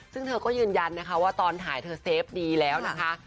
ซึ่งเธอก็ยืนยันนะคะว่าตอนถ่ายเธอเซฟดีแล้วนะคะ